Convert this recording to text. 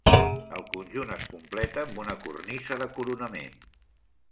El conjunt es completa amb una cornisa de coronament.